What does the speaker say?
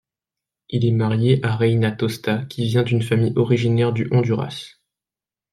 Il est marié à Reyna Tosta, qui vient d'une famille originaire du Honduras.